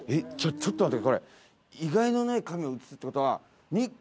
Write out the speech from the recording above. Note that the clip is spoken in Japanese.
ちょっと待って。